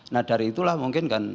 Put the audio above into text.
nah dari itulah mungkin kan